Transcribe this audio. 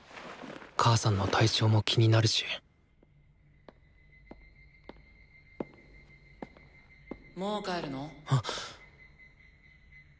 母さんの体調も気になるしもう帰るの？